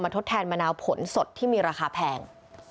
ทดแทนมะนาวผลสดที่มีราคาแพง